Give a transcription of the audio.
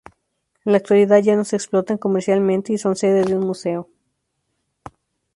En la actualidad ya no se explotan comercialmente y son sede de un museo.